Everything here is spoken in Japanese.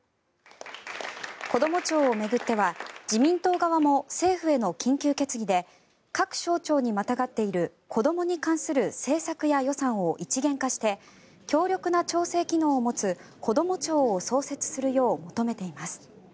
こども庁を巡っては自民党側も政府への緊急決議で各省庁にまたがっている子どもに関する政策や予算を一元化して強力な調整機能を持つこども庁を創設するよう求めています。